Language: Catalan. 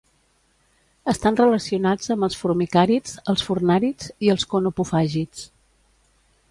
Estan relacionats amb els formicàrids, els furnàrids i els conopofàgids.